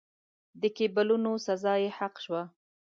د کېبولونو سزا یې حق شوه.